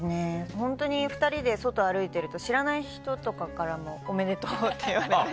ホントに２人で外歩いてると知らない人とかからも「おめでとう」って言われたり。